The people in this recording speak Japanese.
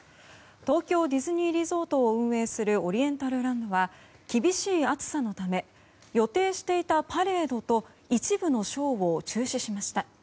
東京ディズニーリゾートを運営するオリエンタルランドは厳しい暑さのため予定していたパレードと一部のショーを中止しました。